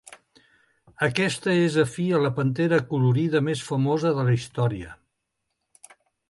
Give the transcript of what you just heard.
Aquesta és afí a la pantera acolorida més famosa de la història.